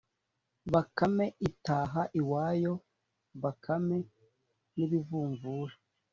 bakame itaha iwayo. bakame n’ibivumvuri